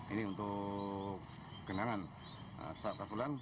ini untuk genangan saat kasulan